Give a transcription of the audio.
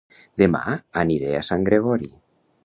Dema aniré a Sant Gregori